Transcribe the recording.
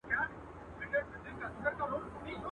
چي ډېر وائې، لږ خېژي.